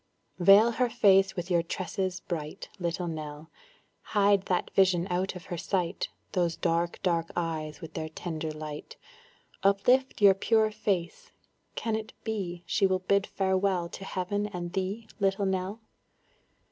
Veil her face with your tresses bright, Little Nell; Hide that vision out of her sight Those dark dark eyes with their tender light Uplift your pure face, can it be She will bid farewell to heaven and thee, Little Nell?